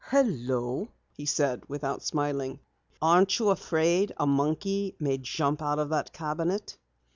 "Hello," he said, without smiling. "Aren't you afraid a monkey may jump out of that cabinet?"